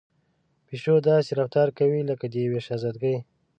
پيشو داسې رفتار کوي لکه د يوې شهزادګۍ.